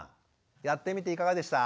やってみていかがでした？